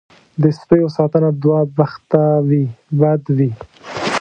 دې سپیو ساتنه دوه بخته وي بد وي.